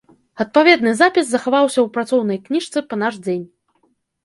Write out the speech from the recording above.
Адпаведны запіс захаваўся ў працоўнай кніжцы па наш дзень.